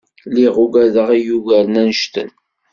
Lliɣ ugadeɣ i yugaren annect-en.